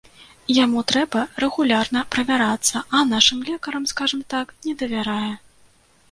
Яму трэба рэгулярна правярацца, а нашым лекарам, скажам так, не давярае.